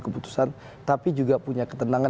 keputusan tapi juga punya ketenangan